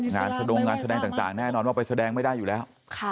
สะดงงานแสดงต่างแน่นอนว่าไปแสดงไม่ได้อยู่แล้ว